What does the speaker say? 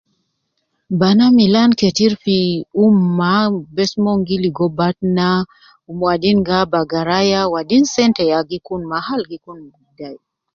Bana milan ketir fi umma bes mon gi ligo batna, wadin gi aba garaya wadin sente ya gi kun ma jmhal gi kun batal